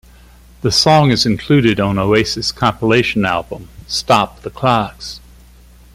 The song is included on Oasis' compilation album "Stop the Clocks".